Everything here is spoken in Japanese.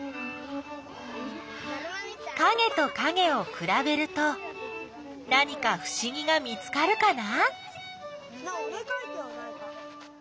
かげとかげをくらべると何かふしぎが見つかるかな？